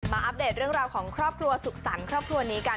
อัปเดตเรื่องราวของครอบครัวสุขสรรค์ครอบครัวนี้กัน